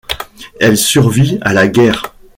Elle survit à la guerre.